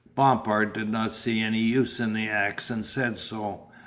Bompard did not see any use in the axe and said so.